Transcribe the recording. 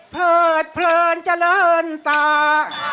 เลิดเพลินเจริญตา